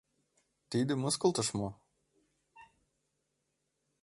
Тиде мыскылтыш мо?